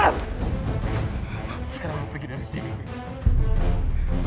sekarang lu pergi dari sini viv